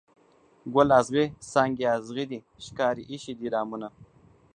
ګل اغزي څانګي اغزي دي ښکاري ایښي دي دامونه